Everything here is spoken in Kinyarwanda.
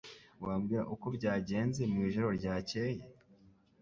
Wambwira uko byagenze mwijoro ryakeye?